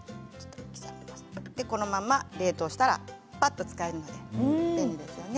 このまま冷凍したらぱっと使えるので便利ですよね。